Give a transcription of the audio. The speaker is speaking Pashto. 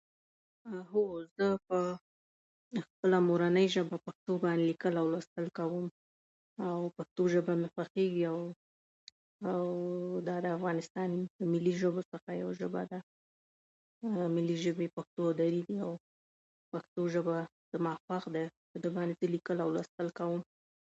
هو، زه په خپله مورنۍ ژبه پښتو باندې لیکل او لوستل کوم، او پښتو ژبه مې خوښېږي، او دا د افغانستان د ملي ژبو څخه یوه ژبه ده. ملي ژبې پښتو او دري دي، او پښتو ژبه زما خوښ ده. په دې باندې لیکل او لوستل کوم.